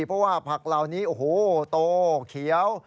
เพราะว่าผักเหล่านี้โอ้โหโตเขียว